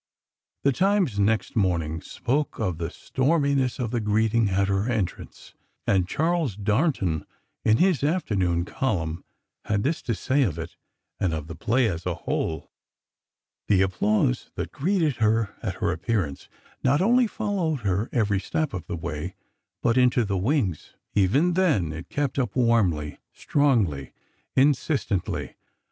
The Times next morning spoke of "the storminess of the greeting at her entrance," and Charles Darnton, in his afternoon column, had this to say of it, and of the play as a whole: The applause that greeted her at her appearance not only followed her every step of the way but into the wings. Even then it kept up warmly, strongly, insistently.